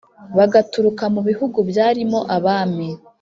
bagaturuka mu bihugu byarimo abami